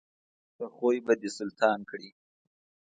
ښه خوی به دې سلطان کړي.